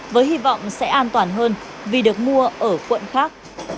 với hy vọng sẽ an toàn hơn vì được mua ở quận khác